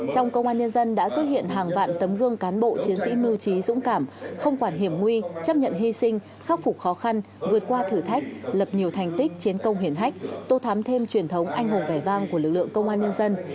trong công an nhân dân đã xuất hiện hàng vạn tấm gương cán bộ chiến sĩ mưu trí dũng cảm không quản hiểm nguy chấp nhận hy sinh khắc phục khó khăn vượt qua thử thách lập nhiều thành tích chiến công hiển hách tô thám thêm truyền thống anh hùng vẻ vang của lực lượng công an nhân dân